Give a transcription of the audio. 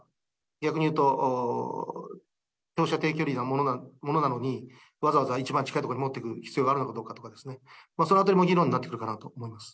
逆に言うと、長射程距離のものなのに、わざわざ一番近い所に持ってくる必要があるのかどうかとか、そのあたりも議論になってくるかなと思います。